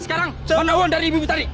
sekarang menawar dari ibu ibu tadi